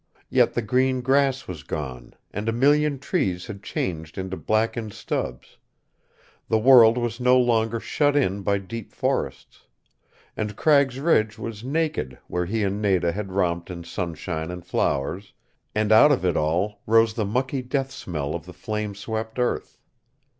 Yet the green grass was gone, and a million trees had changed into blackened stubs. The world was no longer shut in by deep forests. And Cragg's Ridge was naked where he and Nada had romped in sunshine and flowers, and out of it all rose the mucky death smell of the flame swept earth.